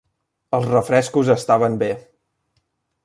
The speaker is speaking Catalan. Els refrescos estaven bé.